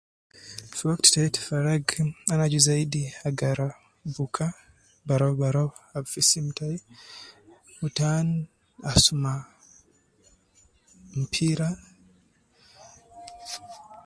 Fi waft tayi te farag ana aju zaidi agara buuka baraubarau ab fi sim tayi wu taan asuma mpira.